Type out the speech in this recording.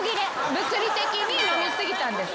物理的に飲み過ぎたんです。